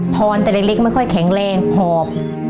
ออนแต่เล็กไม่ค่อยแข็งแรงหอบ